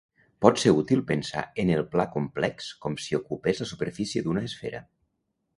Pot ser útil pensar en el pla complex com si ocupés la superfície d'una esfera.